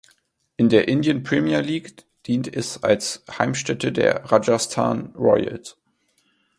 In der Indian Premier League dient es als Heimstätte der Rajasthan Royals.